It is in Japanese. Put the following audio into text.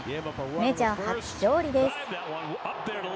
メジャー初勝利です。